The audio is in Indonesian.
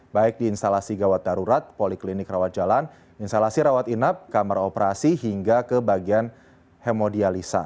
baik di instalasi gawat darurat poliklinik rawat jalan instalasi rawat inap kamar operasi hingga ke bagian hemodialisa